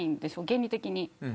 原理的に。